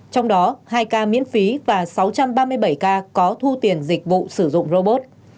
trong đó hai ca miễn phí và sáu trăm ba mươi bảy ca có thu tiền dịch vụ sử dụng robot